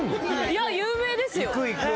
いや有名ですよ